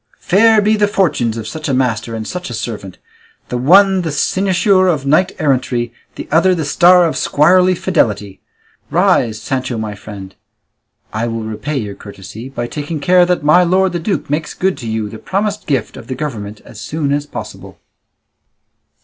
Fair be the fortunes of such a master and such a servant, the one the cynosure of knight errantry, the other the star of squirely fidelity! Rise, Sancho, my friend; I will repay your courtesy by taking care that my lord the duke makes good to you the promised gift of the government as soon as possible."